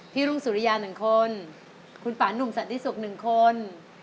พี่รุ่งสุริยาหนึ่งคนคุณป่านุ่มสันทิศุกร์หนึ่งคน